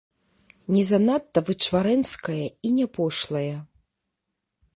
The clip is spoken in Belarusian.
Не занадта вычварэнская і не пошлая.